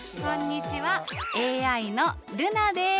ＡＩのルナです。